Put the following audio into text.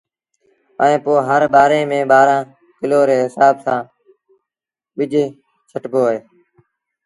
ائيٚݩ پو هر ٻآري ميݩ ٻآرآݩ ڪلو ري هسآب سآݩ ٻج ڇٽي دو